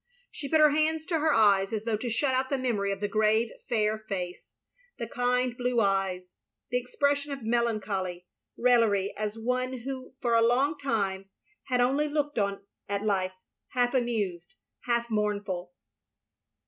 She put her hands to her eyes as though to shut out the memory of the grave fair face, the kind blue eyes, the expression of melancholy raillery as of one who for a long time had only looked on at life — half amused, half mournful.